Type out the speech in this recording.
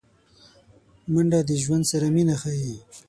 منډه د ژوند سره مینه ښيي